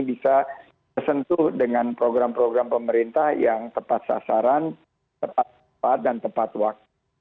bisa tersentuh dengan program program pemerintah yang tepat sasaran tepat dan tepat waktu